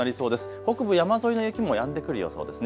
北部、山沿いの雪もやんでくる予想ですね。